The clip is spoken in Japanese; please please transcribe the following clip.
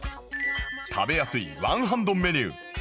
食べやすいワンハンドメニュー